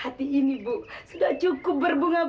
hati ini bu sudah cukup berbunga